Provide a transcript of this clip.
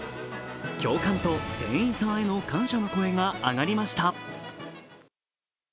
共感と店員さんへの感謝の声が上がりました。